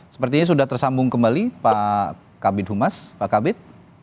sepertinya sudah tersambung kembali pak kabir dumas pak kabir